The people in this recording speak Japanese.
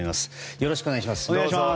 よろしくお願いします。